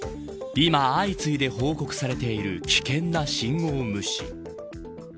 今、相次いで報告されている危険な信号無視。